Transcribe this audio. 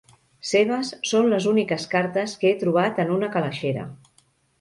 Seves són les úniques cartes que he trobat en una calaixera.